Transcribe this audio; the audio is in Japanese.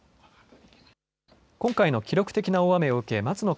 今回の記録的な大雨を受け松野